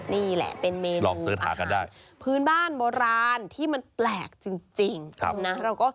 นี่แหละเป็นเมนูอาหารพื้นบ้านโบราณที่มันแปลกจริงนะ